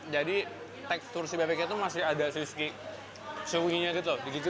jadi tekstur si bebek itu masih ada sui sui